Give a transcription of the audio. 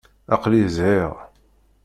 Aql-iyi zhiɣ.